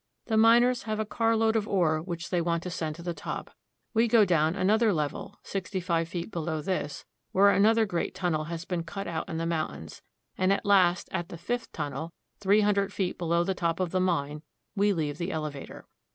The miners have a carload of ore which they want to send to the top. We go down to another level sixty five feet below this, where an other great tunnel has been cut out in the mountains ; and at last, at the fifth tunnel, three hundred feet below the top of the mine, we leave the elevator.